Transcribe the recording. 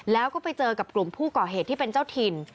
แล้วก็ไปเจอกับกลุ่มผู้ก่อเหตุที่เป็นเจ้าถิ่น